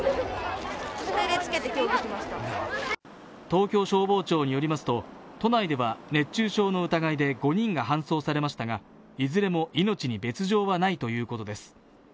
東京消防庁によりますと、都内では熱中症の疑いで５人が搬送されましたがいずれも命に別状はないということです。